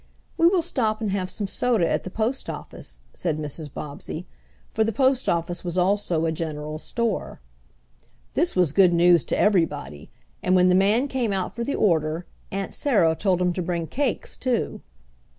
"We will stop and have some soda at the postoffice," said Mrs. Bobbsey. For the postoffice was also a general store. This was good news to everybody, and when the man came out for the order Aunt Sarah told him to bring cakes too.